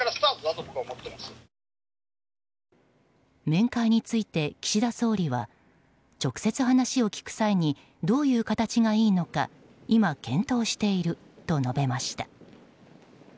面会について、岸田総理は直接話を聞く際にどういう形がいいのか今、検討していると述べました。